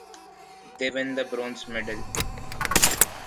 They win the bronze medal.